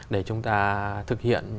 để chúng ta thực hiện